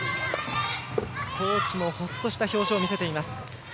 コーチもほっとした表情を見せています。